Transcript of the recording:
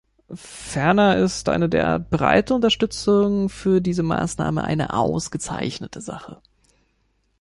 Ferner ist eine derart breite Unterstützung für diese Maßnahmen eine ausgezeichnete Sache.